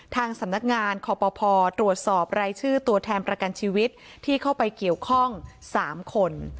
ทางสำนักงานคอปภตรวจสอบรายชื่อตัวแทนประกันชีวิตที่เข้าไปเกี่ยวข้อง๓คน